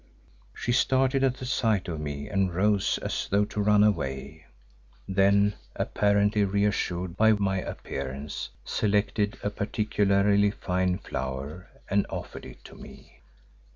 She started at the sight of me and rose as though to run away; then, apparently reassured by my appearance, selected a particularly fine flower and offered it to me.